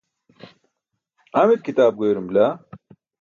amit kitaap goyarum bila?